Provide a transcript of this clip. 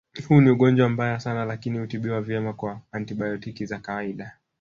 Huu ni ugonjwa mbaya sana lakini hutibiwa vyema kwa antibayotiki za kawaida